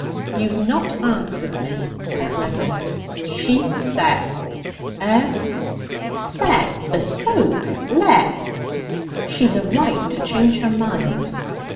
'You've not answered me,' said Reddin. 'She's set.' 'Eh?' 'Set. Bespoke. Let.' 'She's a right to change her mind.'